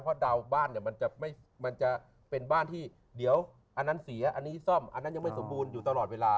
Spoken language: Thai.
เพราะดาวบ้านเนี่ยมันจะเป็นบ้านที่เดี๋ยวอันนั้นเสียอันนี้ซ่อมอันนั้นยังไม่สมบูรณ์อยู่ตลอดเวลา